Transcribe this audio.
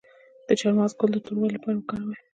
د چارمغز ګل د توروالي لپاره وکاروئ